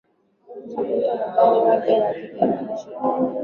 ili kuwezesha kuota kwa majani mapya kwa ajili ya malisho yao